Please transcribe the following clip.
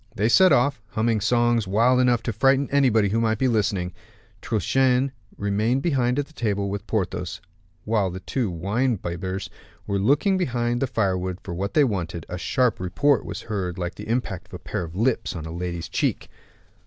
They set off, humming songs wild enough to frighten anybody who might be listening. Truchen remained behind at table with Porthos. While the two wine bibbers were looking behind the firewood for what they wanted, a sharp report was heard like the impact of a pair of lips on a lady's cheek.